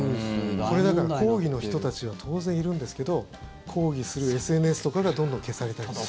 だから抗議の人たちは当然いるんですけど抗議するＳＮＳとかがどんどん消されたりとか。